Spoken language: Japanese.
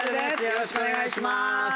よろしくお願いします。